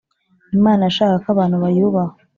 Imana yashakaga ko abantu bayubaha